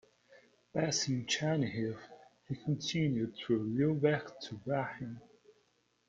Passing Chernihiv, he continued through Liubech to Brahin.